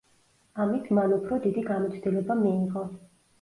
ამით მან უფრო დიდი გამოცდილება მიიღო.